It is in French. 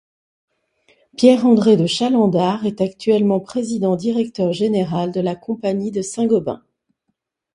Pierre-André de Chalendar est actuellement président-directeur général de la compagnie de Saint-Gobain.